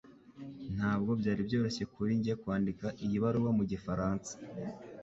Ntabwo byari byoroshye kuri njye kwandika iyi baruwa mu gifaransa